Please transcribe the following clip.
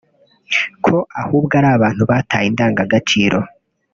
ko ahubwo ari abantu bataye indangaciro